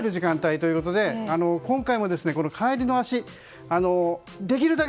ということで今回も帰りの足できるだけ